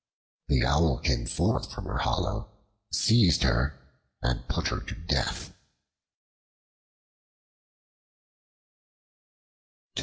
The Owl came forth from her hollow, seized her, and put her to death.